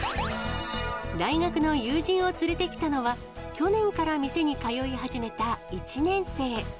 大学の友人を連れてきたのは、去年から店に通い始めた１年生。